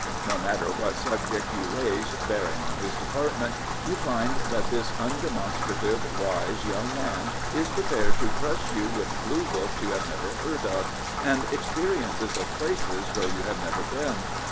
No matter what subject you raise bearing on his department, you find that this undemonstrative, wise ^oung man is prepared to crush you with felue Books you have never heard of, and experiences of places where you have never been.